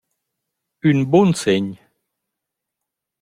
Ün bun segn.